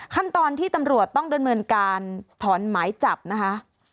ขั้นตอนที่ตำรวจต้องดำเนินการถอนหมายจับนะคะ